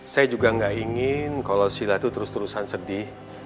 saya juga nggak ingin kalau sila itu terus terusan sedih